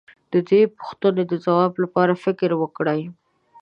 د دې پوښتنې د ځواب لپاره فکر وکړئ.